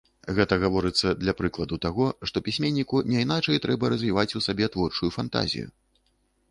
Гэта гаворыцца для прыкладу таго, што пісьменніку няйначай трэба развіваць у сабе творчую фантазію.